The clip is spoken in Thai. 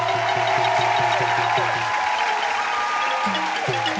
โอ้โอ้